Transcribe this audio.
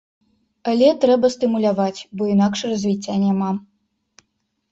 Але трэба стымуляваць, бо інакш развіцця няма.